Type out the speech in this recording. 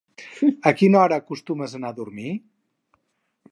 A quina hora acostumes anar a dormir?